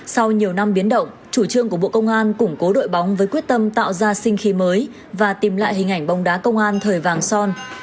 sau nhiều năm biến động chủ trương của bộ công an củng cố đội bóng với quyết tâm tạo ra sinh khí mới và tìm lại hình ảnh bóng đá công an thời vàng son